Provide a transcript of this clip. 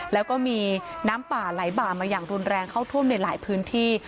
แล้วก็มีน้ำป่าไหลบ่ามาอย่างรุนแรงเข้าท่วมในหลายพื้นที่